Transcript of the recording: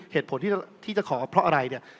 เหตุผลที่จะขอเพราะอะไรเนี่ย